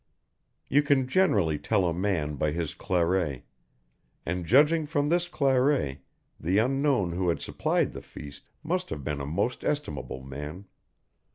You can generally tell a man by his claret, and judging from this claret the unknown who had supplied the feast must have been a most estimable man.